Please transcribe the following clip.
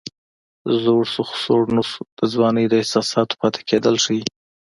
زوړ شو خو سوړ نه شو د ځوانۍ د احساساتو پاتې کېدل ښيي